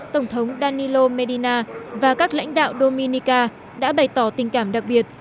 tổng thống danilo medina và các lãnh đạo dominica đã bày tỏ tình cảm đặc biệt